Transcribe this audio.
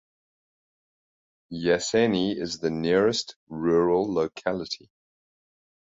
Yaseny is the nearest rural locality.